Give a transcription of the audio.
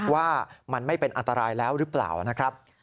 ว่ามันไม่เป็นอัตรายแล้วหรือเปล่า